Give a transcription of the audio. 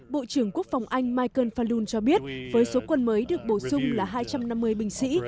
bộ trưởng quốc phòng anh michael fanun cho biết với số quân mới được bổ sung là hai trăm năm mươi binh sĩ